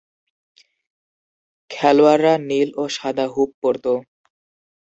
খেলোয়াড়রা নীল ও সাদা হুপ পরত।